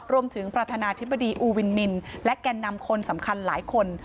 ประธานาธิบดีอูวินมินและแก่นำคนสำคัญหลายคน